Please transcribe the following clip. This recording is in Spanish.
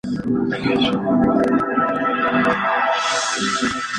Fue asignado tanto al equipo de los Cuatro Continentes como al equipo del Mundial.